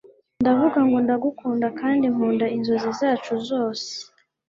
ndavuga ngo ndagukunda kandi nkunda inzozi zacu zose